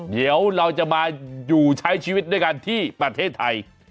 เดี๋ยวเราจะมาอยู่ใช้ชีวิตด้วยกันที่ประเทศไทย